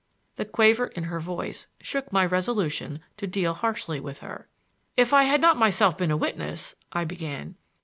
The quaver in her voice shook my resolution to deal harshly with her. "If I had not myself been a witness—" I began.